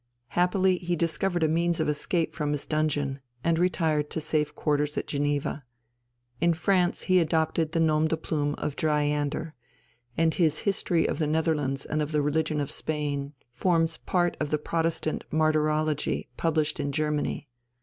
Happily he discovered a means of escape from his dungeon, and retired to safe quarters at Geneva. In France he adopted the nom de plume of Dryander, and his History of the Netherlands and of Religion in Spain forms part of the Protestant martyrology published in Germany.